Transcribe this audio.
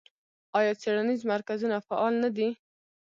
آیا څیړنیز مرکزونه فعال نه دي؟